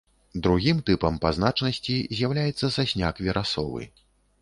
Другім тыпам па значнасці з'яўляецца сасняк верасовы.